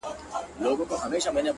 زه درته دعا سهار ماښام كوم’